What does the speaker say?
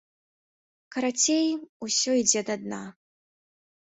Карацей, усё ідзе да дна.